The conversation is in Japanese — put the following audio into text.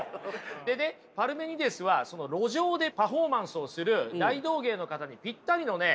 でねパルメニデスは路上でパフォーマンスをする大道芸の方にぴったりのね